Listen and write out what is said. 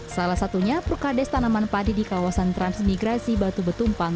salah satunya prukades tanaman padi di kawasan transmigrasi batu betumpang